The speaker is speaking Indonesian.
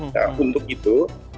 nah untuk itu